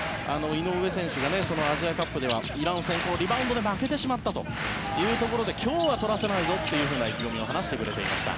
井上選手がアジアカップではイラン戦リバウンドで負けてしまったというところで今日は取らせないぞという意気込みを話してくれました。